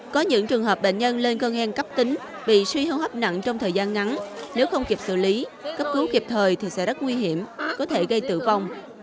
có những trường hợp bệnh nhân lên cơn hen cấp tính bị suy hâu hấp nặng trong thời gian ngắn nếu không kịp xử lý cấp cứu kịp thời thì sẽ rất nguy hiểm có thể gây tử vong